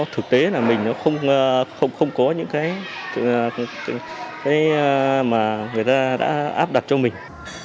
thực tế là mình nó không có những cái mà người ta đã áp đặt cho mình